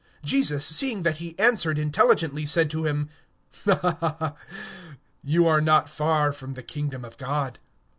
(34)And Jesus, seeing that he answered intelligently, said to him: Thou art not far from the kingdom of God.